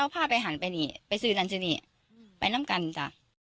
ไปน้ำกันจ้ะ